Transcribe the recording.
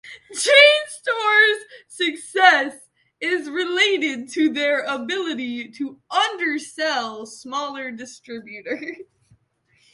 Chain stores' success is related to their ability to undersell smaller distributors.